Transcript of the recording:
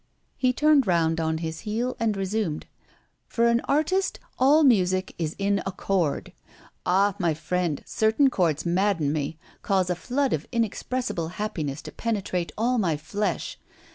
'" He turned round on his heel, and resumed: "For an artist all music is in a chord. Ah! my friend, certain chords madden me, cause a flood of inexpressible happiness to penetrate all my flesh.